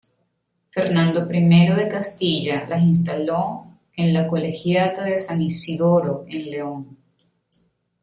Fernando I de Castilla las instaló en la colegiata de San Isidoro, en León.